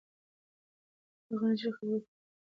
هغه نجلۍ چې خبرونه لولي ډېره هوښیاره ده.